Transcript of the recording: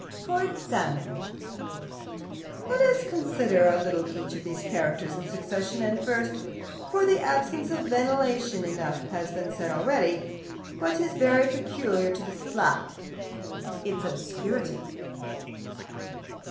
For example "Let us consider a little each of these characters in succession, and first (for of the absence of ventilation enough has been said already), what is very peculiar to this flat its obscurity.